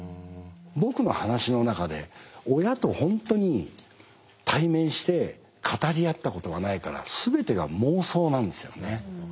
僕の話の中で親と本当に対面して語り合ったことはないから全てが妄想なんですよね。